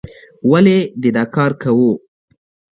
ولې دې دا کار کوو؟